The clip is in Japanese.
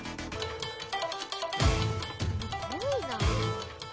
すごいな。